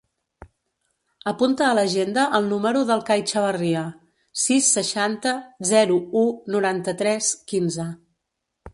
Apunta a l'agenda el número del Cai Chavarria: sis, seixanta, zero, u, noranta-tres, quinze.